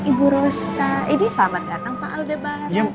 ibu rosa ini selamat datang pak aldebar